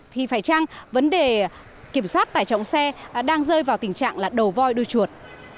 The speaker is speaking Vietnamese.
thì phải chăng vấn đề kiểm soát tải trọng xe đang rơi vào tình trạng là đầu voi đua chuột